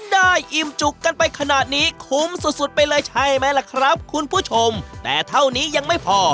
อิ่มจุกกันไปขนาดนี้คุ้มสุดสุดไปเลยใช่ไหมล่ะครับคุณผู้ชมแต่เท่านี้ยังไม่พอ